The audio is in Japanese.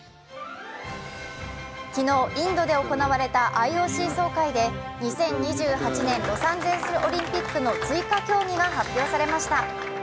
昨日、インドで行われたＩＯＣ総会で２０２８年ロサンゼルスオリンピックの追加競技が発表されました。